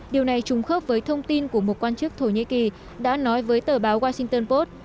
điều này trùng khớp với thông tin của một quan chức thổ nhĩ kỳ đã nói với tờ báo washington pot